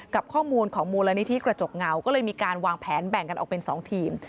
กับข้อมูลของมูลนิธิกระจกเงาก็เลยมีการวางแผนแบ่งกันออกเป็น๒ทีม